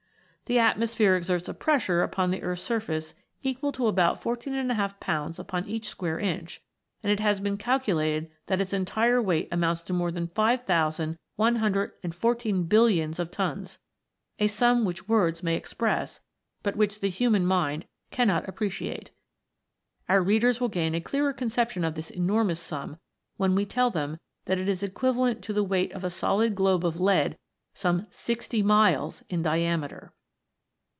The atmosphere exerts a pressure upon the earth's surface equal to about fourteen and a half pounds upon each square inch ; and it has been calculated that its entire weight amounts to more than five thousand one hundred and fourteen billions of tons a sum which words may express, but which the human mind cannot appreciate. Our readers will gain a clearer conception of this enormous sum when we tell them that it is equivalent to the weight of a solid globe of lead some sixty miles in diameter